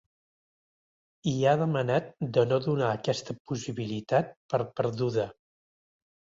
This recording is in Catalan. I ha demanat de no donar aquesta possibilitat per perduda.